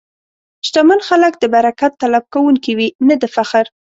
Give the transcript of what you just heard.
شتمن خلک د برکت طلب کوونکي وي، نه د فخر.